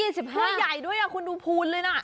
ทั้วใหญ่ด้วยอะคุณดูพูนเลยนะ